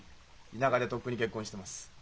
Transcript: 田舎でとっくに結婚してます。